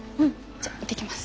じゃあ行ってきます。